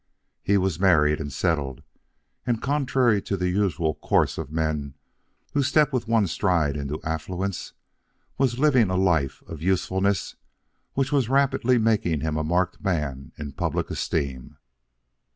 He was married and settled, and contrary to the usual course of men who step with one stride into affluence, was living a life of usefulness which was rapidly making him a marked man in public esteem.